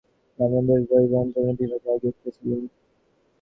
যাহা হউক, যে-কারণেই হউক রামচন্দ্র রায়ের যৌবন-স্বপ্নে বিভা জাগিতেছিল।